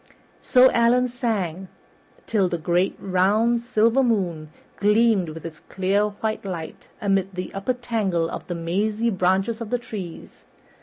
So Allan sang till the great round silver moon gleamed with its clear white light amid the upper tangle of the mazy branches of the trees.